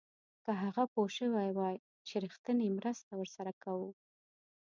که هغه پوه شوی وای چې رښتینې مرسته ورسره کوو.